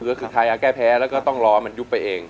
ก็คือไทยแก้แพ้แล้วก็ต้องรอมันยุบไปเอง